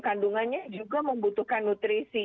kandungannya juga membutuhkan nutrisi